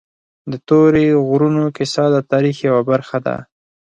د تورې غرونو کیسه د تاریخ یوه برخه ده.